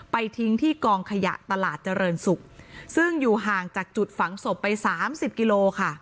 ทิ้งที่กองขยะตลาดเจริญศุกร์ซึ่งอยู่ห่างจากจุดฝังศพไปสามสิบกิโลค่ะ